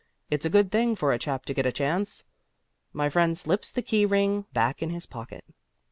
It's a good thing for a chap to get a chance " My friend slips the key ring back in his pocket.